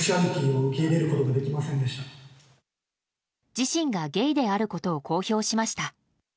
自身がゲイであることを公表しました。